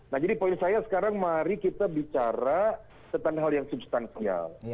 nah jadi poin saya sekarang mari kita bicara tentang hal yang substansial